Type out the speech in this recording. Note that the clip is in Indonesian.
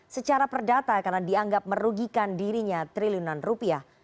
secara perdata karena dianggap merugikan dirinya triliunan rupiah